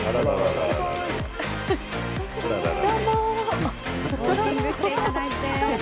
どうも。